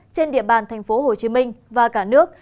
trên địa bàn tp hcm và cả nước